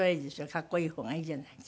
かっこいい方がいいじゃないですか。